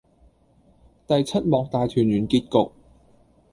第七幕大團圓結局